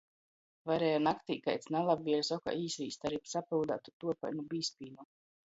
Varēja naktī kaids nalabvieļs okā īsvīst ari sapyudātu, tuorpainu bīzpīnu.